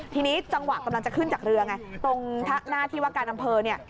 ทีนี้จังหวะกำลังจะขึ้นจากเรือไงตรงหน้าที่ว่าการอำเภอเนี่ย